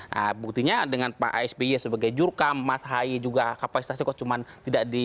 nah buktinya dengan pak sby sebagai jurkam mas haye juga kapasitasnya kok cuma tidak di